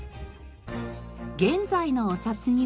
現在のお札には。